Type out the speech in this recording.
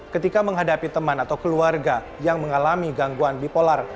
ketika menghadapi teman atau keluarga yang mengalami gangguan bipolar